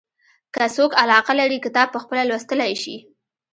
که څوک علاقه لري کتاب پخپله لوستلای شي.